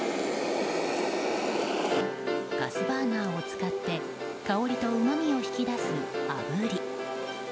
ガスバーナーを使って香りとうまみを引き出す、あぶり。